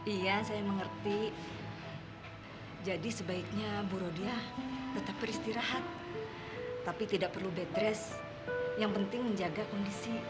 iya saya mengerti jadi sebaiknya bu rodiah tetap beristirahat tapi tidak perlu bedres yang penting menjaga kondisi